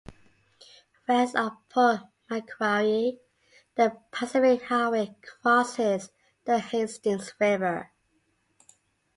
West of Port Macquarie, the Pacific Highway crosses the Hastings River.